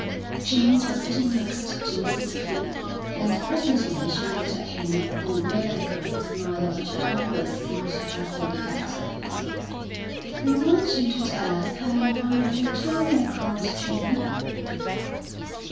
James was sitting next to Mrs. Clibborn, and presently she looked at him with the melancholy smile which had always seemed to her so effective. "We want you to tell us how you won your Victoria Cross, Jamie."